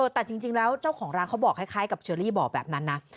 แต่จริงแล้วเจ้าของร้านเขาบอกคล้ายกับเชอรี่บอกแบบนั้นนะ